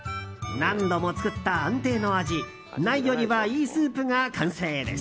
何度も作った安定の味ないよりはいいス−プが完成です。